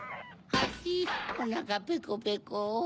ハヒおなかペコペコ。